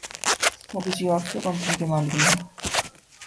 وہ کسی offshore company کے مالک نہیں۔